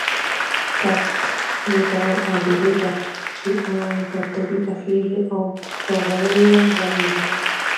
کاک يو ډول ډوډۍ ده چې په تبۍ پخېږي او په غوړيو غوړېږي.